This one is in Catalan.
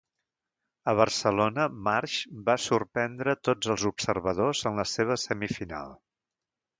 A Barcelona, Marsh va sorprendre a tots els observadors en la seva semifinal.